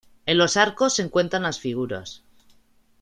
En los arcos se encuentran las figuras.